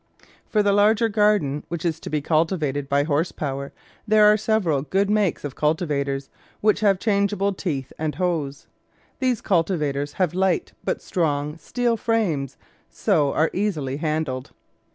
For the larger garden, which is to be cultivated by horse power, there are several good makes of cultivators, which have changeable teeth and hoes. These cultivators have light, but strong, steel frames, so are easily handled.